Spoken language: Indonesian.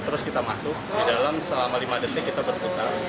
terus kita masuk di dalam selama lima detik kita berputar